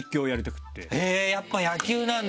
えぇやっぱ野球なんだ！